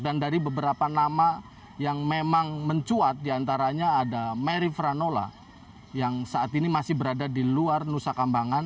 dan dari beberapa nama yang memang mencuat diantaranya ada mary franola yang saat ini masih berada di luar nusa kambangan